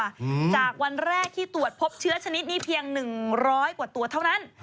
จากวันแรกที่ตรวจพบเชื้อชนิดนี้เพียง๑๐๐กว่าตัวเท่านั้น